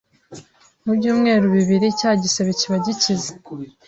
mu byumweru bibiri cya gisebe kiba gikize